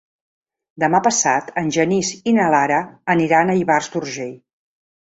Demà passat en Genís i na Lara aniran a Ivars d'Urgell.